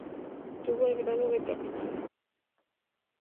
Tuvo el grado de capitán.